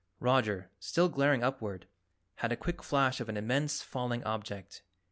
Roger, still glaring upward, had a quick flash of an immense falling object.